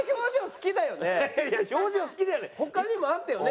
他にもあったよね？